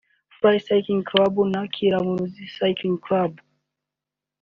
Fly Clying Club na Kiramuruzi Cycling Club